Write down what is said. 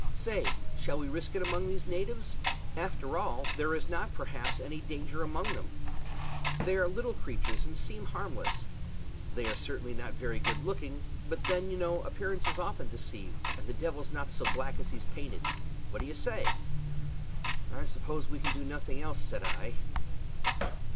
Say, shall we risk it among these natives? After all, there is not, perhaps, any danger among them. They are little creatures and seem harmless. They are certainly not very good looking; but then, you know, appearances often deceive, and the devil's not so black as he's painted. What do you say?" "I suppose we can do nothing else," said I.